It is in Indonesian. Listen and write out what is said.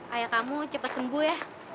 ayah kamu cepet sembuh ya